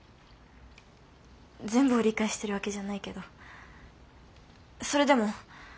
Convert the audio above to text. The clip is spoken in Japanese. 全部を理解してるわけじゃないけどそれでも。